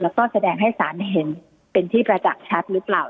แล้วก็แสดงให้สารเห็นเป็นที่ประจักษ์ชัดหรือเปล่า